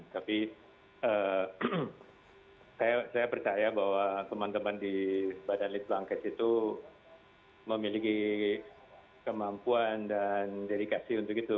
tapi saya percaya bahwa teman teman di badan litbangkes itu memiliki kemampuan dan dedikasi untuk itu